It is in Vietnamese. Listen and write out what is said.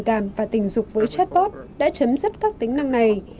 các mối quan hệ tình cảm và tình dục với chatbot đã chấm dứt các tính năng này